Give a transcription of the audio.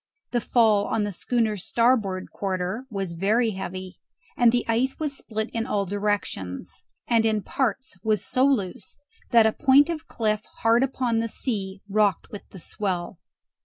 The fall on the schooner's starboard quarter was very heavy, and the ice was split in all directions; and in parts was so loose that a point of cliff hard upon the sea rocked with the swell.